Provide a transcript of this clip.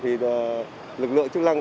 thì lực lượng chức lăng